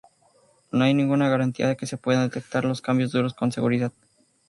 No hay ninguna garantía de que se puedan detectar los cambios duros con seguridad.